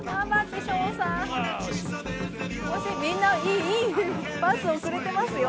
惜しいみんないいパスをくれてますよ